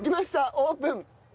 オープン。